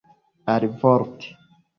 alivorte